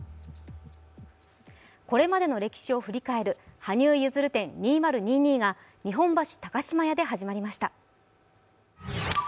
これまでの歴史を振り返る羽生結弦展２０２２が日本橋高島屋で始まりました。